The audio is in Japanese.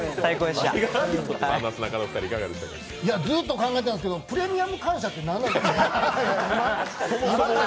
ずっと考えてたんですけど、プレミアム感謝って何なんですか？